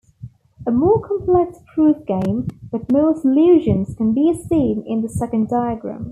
A more complex proofgame, with more solutions, can be seen in the second diagram.